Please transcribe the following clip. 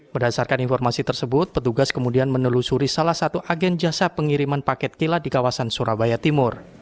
berdasarkan informasi tersebut petugas kemudian menelusuri salah satu agen jasa pengiriman paket kilat di kawasan surabaya timur